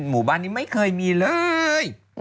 หมู่บ้านนี้ไม่เคยมีเลย